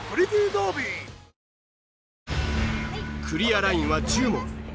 クリアラインは１０問。